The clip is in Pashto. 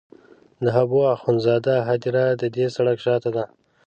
د حبو اخند زاده هدیره د دې سړک شاته ده.